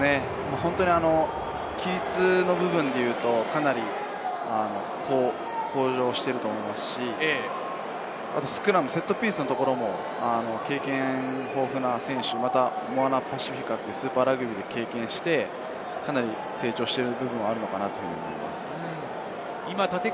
規律の部分でいうと、かなり向上していると思いますし、セットピースのところも経験豊富な選手、モアナ・パシフィカというチーム、スーパーラグビーを経験して成長していると思います。